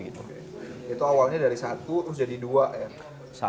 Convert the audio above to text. itu awalnya dari satu terus jadi dua ya